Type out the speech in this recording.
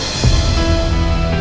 aku gak sengaja